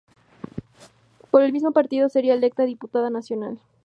Por el mismo partido sería electa diputada nacional.